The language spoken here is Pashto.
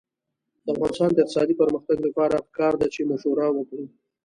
د افغانستان د اقتصادي پرمختګ لپاره پکار ده چې مشوره وکړو.